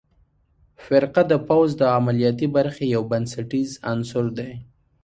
فرقه د پوځ د عملیاتي برخې یو بنسټیز عنصر دی.